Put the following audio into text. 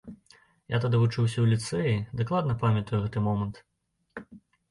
Я тады вучыўся ў ліцэі, дакладна памятаю гэты момант.